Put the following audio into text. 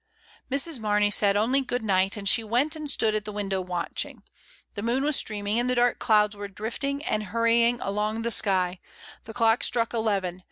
Mrs. Mamey said only "Good night," and she went and stood at the window, watching. The moon was streaming, and the dark clouds were drifting and hurrying along the sky; the clock struck eleven.